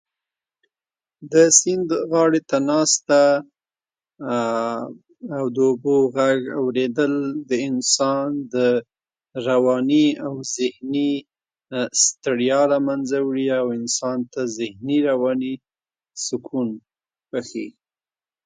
د سند غاړي ته ناسته او د اوبو غږ اوريدل د انسان د رواني او ذهني ستړیا له منځه وړي او انسان ته ذهني او رواني سکون بښي